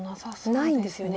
ないんですよね。